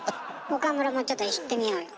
岡村もちょっと言ってみようよ。